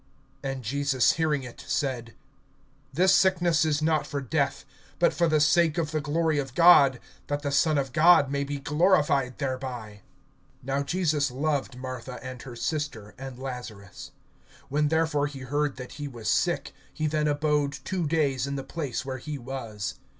(4)And Jesus hearing it, said: This sickness is not for death, but for the sake of the glory of God, that the Son of God may be glorified thereby. (5)Now Jesus loved Martha, and her sister, and Lazarus. (6)When therefore he heard that he was sick, he then abode two days in the place where he was.